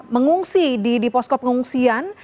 mengungsi di poskop pengungsian